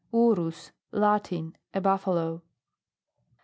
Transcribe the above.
URUS. Latin. A buffo lo.